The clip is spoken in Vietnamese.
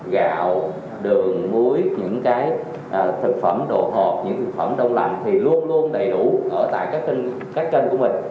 gạo đường muối những cái thực phẩm đồ hộp những thực phẩm đông lạnh thì luôn luôn đầy đủ ở tại các kênh của mình